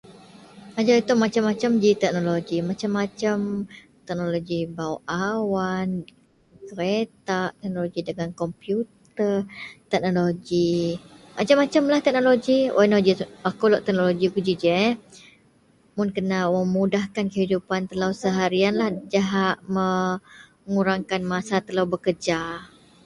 Ajau ito masem-masem ji teknoloji masem-masem teknoloji bau awan keritak teknoloji dagen komputer teknoloji masem-masem lah teknoloji wak ino ji ako lok teknoloji kuji ji yeh mun kena wak memudahkan kehidupan telo seharian jahak mengurengkam masa telo bekerja.